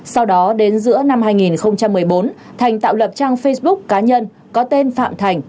sau đó đến giữa năm hai nghìn một mươi bốn thành tạo lập trang facebook cá nhân có tên phạm thành